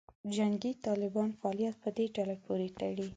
جنګي طالبانو فعالیت په دې ډلې پورې تړلې.